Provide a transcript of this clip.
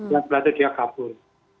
lalu dia kabur